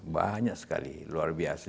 banyak sekali luar biasa